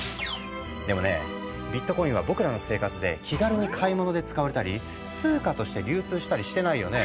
でもねビットコインは僕らの生活で気軽に買い物で使われたり通貨として流通したりしてないよね。